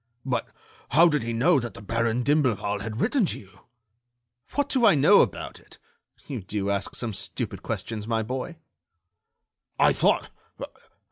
"But how did he know that the Baron d'Imblevalle had written to you?" "What do I know about it? You do ask some stupid questions, my boy." "I thought